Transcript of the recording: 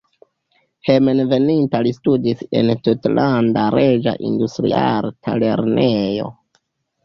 Hejmenveninta li studis en Tutlanda Reĝa Industriarta Lernejo.